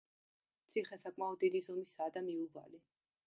ციხე საკმაოდ დიდი ზომისაა და მიუვალი.